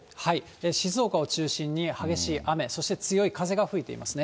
静岡を中心に激しい雨、そして強い風が吹いていますね。